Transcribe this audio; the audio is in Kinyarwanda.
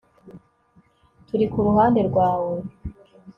Turi ku ruhande rwawe